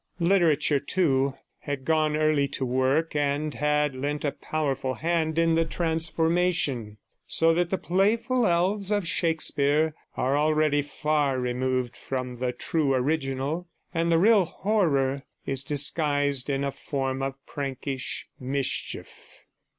Literature, too, had gone early to work, and had lent a powerful hand in the transformation, so that the playful elves of Shakespeare are already far removed from the true original, and the real horror is disguised in a form of prankish mischief.